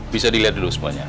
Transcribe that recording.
bisa dilihat dulu semuanya